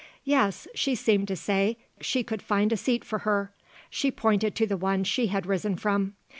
Yes, she seemed to say, she could find a seat for her. She pointed to the one she had risen from.